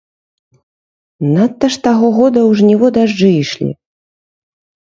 Надта ж таго года ў жніво дажджы ішлі.